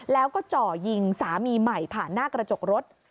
แล้วก็จ่อยิงสามีใหม่ผ่านหน้ากระจกรถ